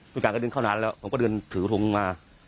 มีการก็เดินเข้านานแล้วผมก็เดินถือทงมา